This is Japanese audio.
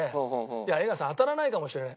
「いや江川さん当たらないかもしれない」。